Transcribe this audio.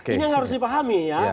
ini yang harus dipahami ya